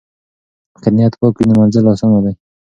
که نیت پاک وي نو منزل آسانه دی.